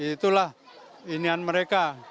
itulah inian mereka